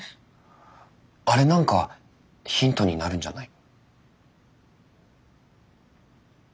あれなんかヒントになるんじゃない？